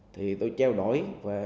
thì tôi treo đổi